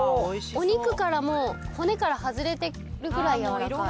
お肉からもう骨から外れてるぐらいやわらかい・